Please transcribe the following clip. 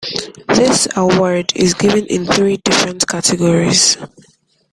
This award is given in three different categories.